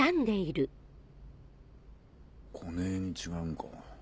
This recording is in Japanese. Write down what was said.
こねぇに違うんか。